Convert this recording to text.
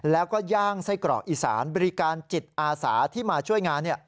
แล้วก็ย่างไส้กรอกอีสานบริการจิตอาสาที่มาช่วยงาน